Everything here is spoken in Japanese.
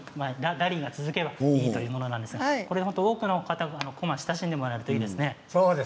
ラリーが続けばいいということなんですけれど多くの方にこまに親しんでもらえるといいですね。